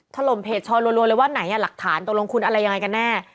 ถล่มเพจชอรัวเลยว่าไหนหลักฐานตกลงคุณอะไรยังไงกันแน่